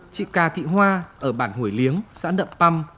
chị ca thị hoa ở bản hồi liếng xã nậm păm